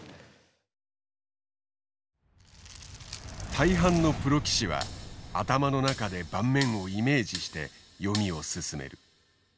大半のプロ棋士は頭の中で盤面をイメージして読みを進める。